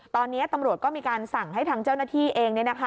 ตอนนี้ตำรวจก็มีการสั่งให้ทางเจ้าหน้าที่เอง